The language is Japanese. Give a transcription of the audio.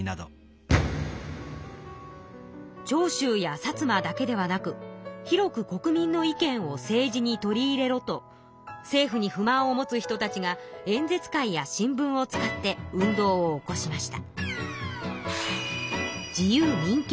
「長州や薩摩だけではなく広く国民の意見を政治に取り入れろ」と政府に不満を持つ人たちが演説会や新聞を使って運動を起こしました。